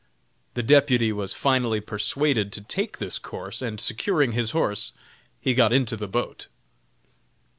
The deputy was finally persuaded to take this course, and securing his horse, he got into the boat.